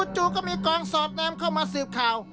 จู่ก็มีกองสอดแนมเข้ามาสืบข่าว